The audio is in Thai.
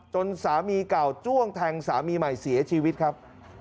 สามีเก่าจ้วงแทงสามีใหม่เสียชีวิตครับ